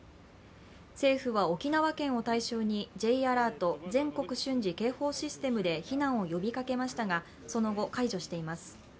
政府は沖縄県を対象にＪアラート＝全国瞬時警報システムで避難を呼びかけましたが、その後、解除しています。